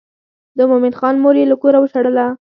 د مومن خان مور یې له کوره وشړله.